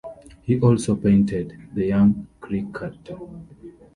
He also painted "The Young Cricketer".